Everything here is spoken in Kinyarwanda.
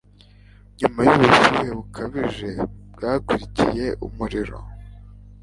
nyuma yubushyuhe bukabije bwakurikiye umuriro